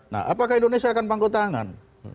nah apakah indonesia akan pangkot tangan